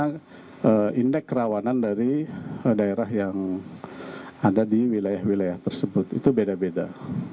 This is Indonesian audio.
karena indeks kerawanan dari daerah yang ada di wilayah wilayah tersebut itu beda beda